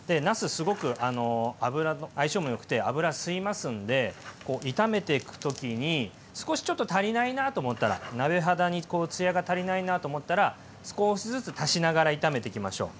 すごく油と相性もよくて油吸いますんで炒めていく時に少しちょっと足りないなと思ったら鍋肌にツヤが足りないなと思ったら少しずつ足しながら炒めていきましょう。